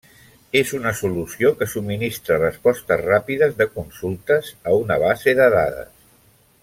És una solució que subministra respostes ràpides de consultes a una base de dades.